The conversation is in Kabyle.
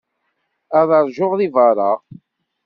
Ad ṛjuɣ deg beṛṛa.